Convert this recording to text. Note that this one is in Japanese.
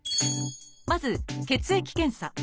まず「血液検査」。